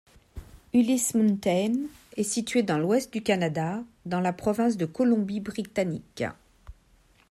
Ulysses Mountain est située dans l'Ouest du Canada, dans la province de Colombie-Britannique.